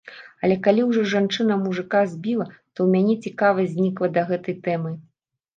Але калі ўжо жанчына мужыка збіла, то ў мяне цікавасць знікла да гэтай тэмы.